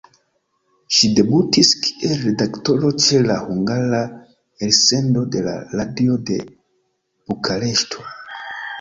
Ŝi debutis kiel redaktoro ĉe la hungara elsendo de la Radio de Bukareŝto.